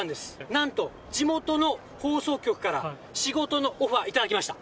なんと、地元の放送局から仕事のオファー頂きました。